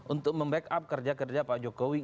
untuk membackup kerja kerja pak jokowi